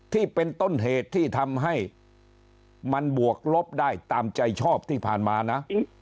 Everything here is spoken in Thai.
ที่เป็นต้นเหตุที่ทำให้มันบวกลบได้ตามใจชอบที่ผ่านมานะ